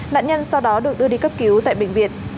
nạn nhân sau đó được đưa đi cấp cứu tại bệnh viện